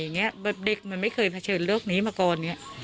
อย่างเงี้ยเด็กมันไม่เคยเผชิญโลกนี้มาก่อนอย่างเงี้ย